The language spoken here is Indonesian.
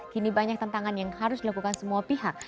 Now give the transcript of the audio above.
kini banyak tentangan yang harus dilakukan semua pihak